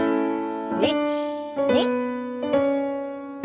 １２。